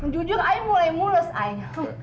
jujur ayah mulai mulus ayah